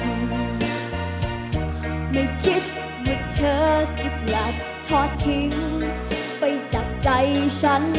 ไม่คิดว่าเธอคิดอยากทอดทิ้งไปจากใจฉัน